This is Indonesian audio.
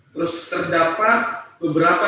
terus terdapat beberapa